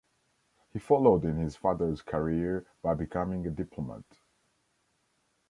He followed in his father's career by becoming a diplomat.